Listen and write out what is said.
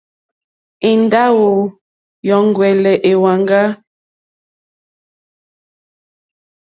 Èndáwò yǔŋwɛ̀lɛ̀ èwàŋgá.